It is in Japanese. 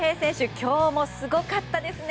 今日もすごかったですね。